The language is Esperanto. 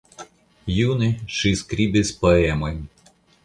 June ŝi skribis poemojn.